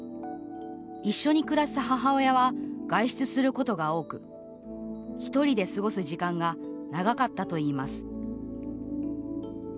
一緒に暮らす母親は外出することが多く１人で過ごす時間が長かったといいます。